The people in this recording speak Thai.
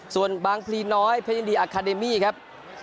ส่วนบางพลีน้อยเพชรยินดีอาคาเดมี่ครับ